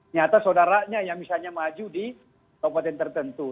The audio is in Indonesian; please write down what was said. nyata saudaranya yang misalnya maju di kabupaten tertentu